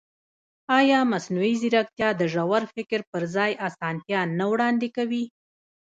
ایا مصنوعي ځیرکتیا د ژور فکر پر ځای اسانتیا نه وړاندې کوي؟